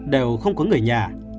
đều không có người nhà